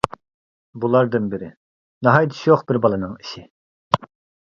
بۇلاردىن بىرى، ناھايىتى شوخ بىر بالىنىڭ ئىشى.